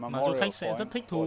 mà du khách sẽ rất thích thú